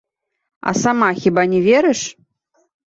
А сама хіба не верыш?